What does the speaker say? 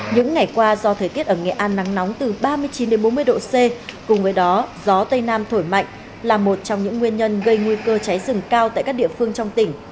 những ngày qua do thời tiết ở nghệ an nắng nóng từ ba mươi chín bốn mươi độ c cùng với đó gió tây nam thổi mạnh là một trong những nguyên nhân gây nguy cơ cháy rừng cao tại các địa phương trong tỉnh